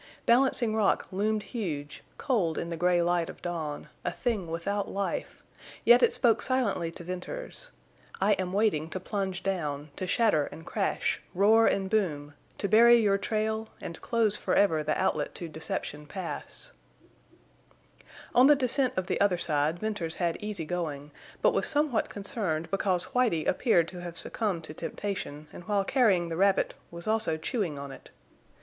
Balancing Rock loomed huge, cold in the gray light of dawn, a thing without life, yet it spoke silently to Venters: "I am waiting to plunge down, to shatter and crash, roar and boom, to bury your trail, and close forever the outlet to Deception Pass!" [Illustration: He did not pause until he gained the narrow divide] On the descent of the other side Venters had easy going, but was somewhat concerned because Whitie appeared to have succumbed to temptation, and while carrying the rabbit was also chewing on it.